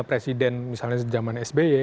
presiden misalnya sejaman sby